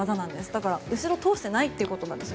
だから後ろを通していないということです。